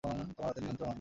তোমার হাতে নিয়ন্ত্রণ।